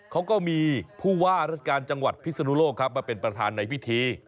เขาก็มีผู้ว่าราชการจังหวัดพิศนุโลกครับมาเป็นประธานในพิธี